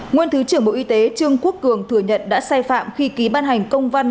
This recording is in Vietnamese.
nguyên thứ trưởng bộ y tế trương quốc cường thừa nhận đã sai phạm khi ký ban hành công văn